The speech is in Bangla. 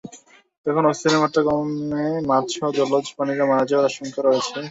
তখন অক্সিজেনের মাত্রা কমে মাছসহ জলজ প্রাণীর মারা যাওয়ার আশঙ্কা রয়েছে।